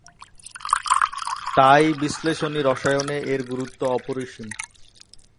তাই বিশ্লেষণী রসায়নে এর গুরুত্ব অপরিসীম।